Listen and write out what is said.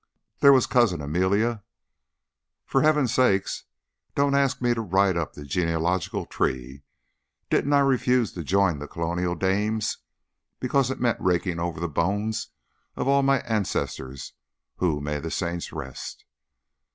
There was Cousin Amelia " "For heaven's sake, don't ask me to write up the genealogical tree. Didn't I refuse to join the Colonial Dames because it meant raking over the bones of all my ancestors whom may the Saints rest!